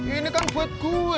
ini kan buat gue